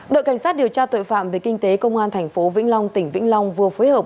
đội cảnh sát điều tra tội phạm về kinh tế công an tp vĩnh long tỉnh vĩnh long vừa phối hợp